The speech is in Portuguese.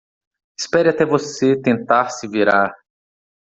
Espere até você tentar se virar.